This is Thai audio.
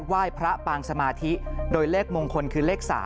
ไหว้พระปางสมาธิโดยเลขมงคลคือเลข๓